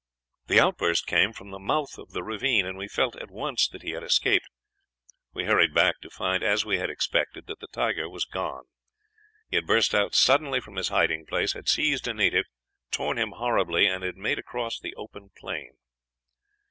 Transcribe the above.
"The outburst came from the mouth of the ravine, and we felt at once that he had escaped. We hurried back to find, as we had expected, that the tiger was gone. He had burst out suddenly from his hiding place, had seized a native, torn him horribly, and had made across the open plain.